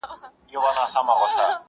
ځوانان پرې بحث کوي کله